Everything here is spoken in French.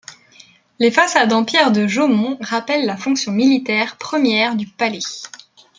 Les façades en pierre de Jaumont rappellent la fonction militaire première du palais.